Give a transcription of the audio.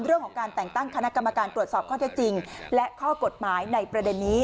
เรื่องของการแต่งตั้งคณะกรรมการตรวจสอบข้อเท็จจริงและข้อกฎหมายในประเด็นนี้